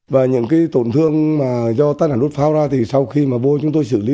và những tổn thương do tát nản đốt pháo ra thì sau khi bôi chúng tôi xử lý